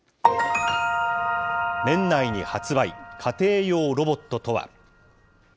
年内に発売、家庭用ロボットとは。